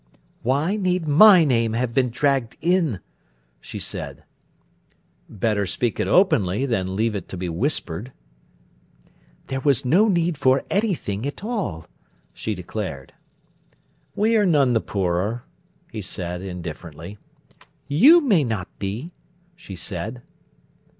"Why need my name have been dragged in?" she said. "Better speak it openly than leave it to be whispered." "There was no need for anything at all," she declared. "We are none the poorer," he said indifferently. "You may not be," she said.